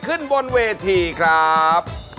ขึ้นบนเวทีครับ